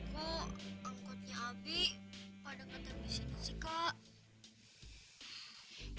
kok angkotnya abi pada ngeder di sini sih kak